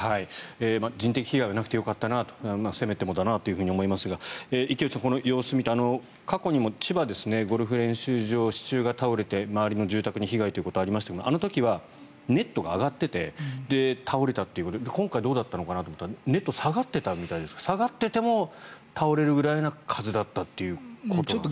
人的被害はなくてよかったなせめてもだなと思いますが池内さん、この様子を見て過去にも千葉でゴルフ練習場の支柱が倒れて周りの住宅に被害ということがありましたがあの時はネットが上がっていて倒れたということで今回はどうだったのかなと思ったらネットが下がっていたみたいですが下がっていても倒れるぐらいの風だったということですかね。